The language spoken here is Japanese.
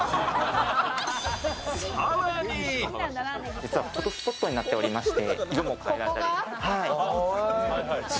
実はフォトスポットになっておりまして。